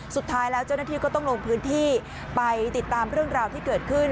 สุดท้ายแล้วเจ้าหน้าที่ก็ต้องลงพื้นที่ไปติดตามเรื่องราวที่เกิดขึ้น